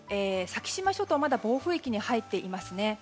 先島諸島はまだ暴風域に入っていますね。